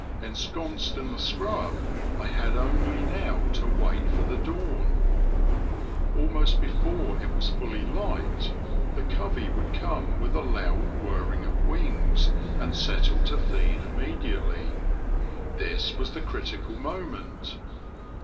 Ensconced in the scrub I had only now to wait for the dawn. Ahnost before it was fully light the covey would come with a loud whirring of wings, and settle to feed immediately. This was the critical moment.